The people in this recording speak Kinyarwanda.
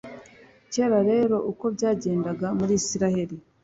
kera rero uko byagendaga muri israheli